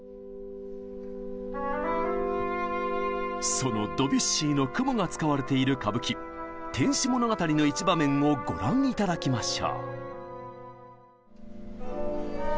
そのドビュッシーの「雲」が使われている歌舞伎「天守物語」の一場面をご覧頂きましょう！